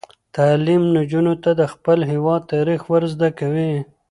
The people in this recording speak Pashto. تعلیم نجونو ته د خپل هیواد تاریخ ور زده کوي.